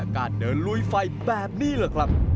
การเดินลุยไฟแบบนี้แหละครับ